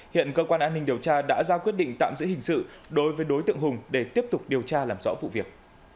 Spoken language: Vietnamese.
hiện cơ quan an ninh điều tra đã ra quyết định tạm giữ hình sự đối với đối tượng hùng để tiếp tục điều tra làm rõ vụ việc